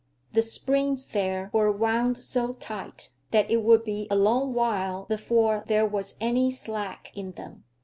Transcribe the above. The springs there were wound so tight that it would be a long while before there was any slack in them.